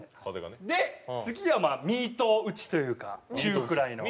で次がミート打ちというか中くらいの。